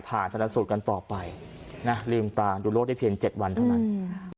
ธนสูตรกันต่อไปนะลืมตาดูโลกได้เพียงเจ็ดวันเท่านั้นอืม